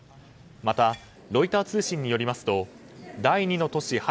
またロイター通信によりますと第２の都市